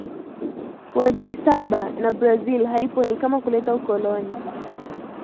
wa G saba na Brazil haipo ni kama kuleta ukoloni